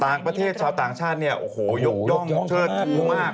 ต่างประเทศชาวต่างชาติเนี่ยโอ้โหยกย่องเชิดชูมาก